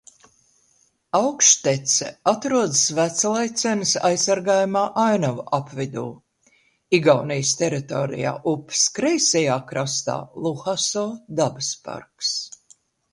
Augštece atrodas Veclaicenes aizsargājamajā ainavu apvidū, Igaunijas teritorijā upes kreisajā krastā Luhaso dabas parks.